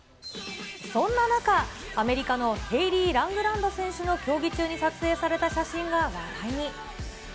そんな中、アメリカのヘイリー・ラングランド選手の競技中に撮影された写真が話題に。